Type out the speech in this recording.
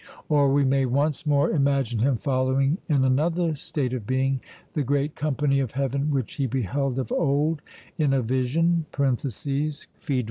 Or we may once more imagine him following in another state of being the great company of heaven which he beheld of old in a vision (Phaedr.).